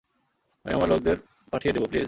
আমি আমার লোকদের পাঠিয়ে দেবো, প্লিজ।